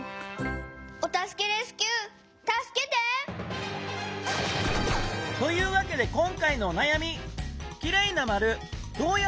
お助けレスキューたすけて！というわけで今回のおなやみ。